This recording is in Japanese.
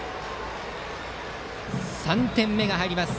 ３点目が入ります。